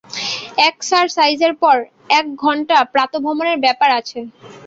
একসারসাইজের পর এক ঘন্টা প্রাতঃভ্রমণের ব্যাপার আছে।